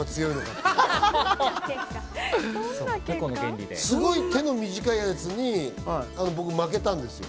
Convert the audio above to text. てこの原理ですごい手の短いやつに負けたんですよ。